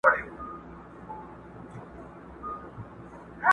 په دريو مياشتو كي به لاس درنه اره كړي!.